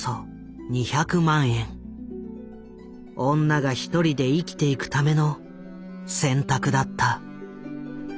女が一人で生きていくための選択だった。